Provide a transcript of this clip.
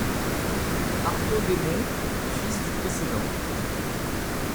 Arthaud des Monts, fils du précédent.